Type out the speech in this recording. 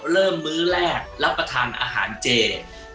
เริ่มมื้อแรกรับประทานอาหารเจน